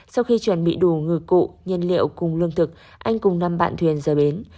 sau khi chuẩn bị đủ người cụ nhân liệu cùng lương thực anh cùng năm bạn thuyền rời bến